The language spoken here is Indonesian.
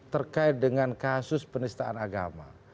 terkait dengan kasus penistaan agama